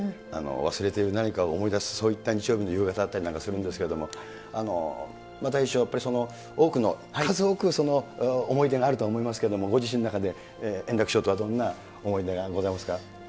忘れてる何かを思い出す、そういった日曜日の夕方だったりするんですけれども、たい平師匠、やっぱり多くの、数多く、思い出があるとは思いますけれども、ご自身の中で、円楽師匠とはどんな思い出がございますか。